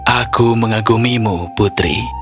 aku mengagumimu putri